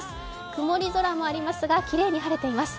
曇り空もありますが、きれいに晴れています。